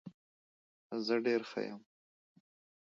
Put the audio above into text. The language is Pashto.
زه ډیر ښه یم.